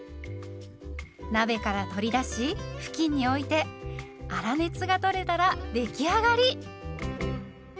鍋から取り出し布巾に置いて粗熱がとれたら出来上がり。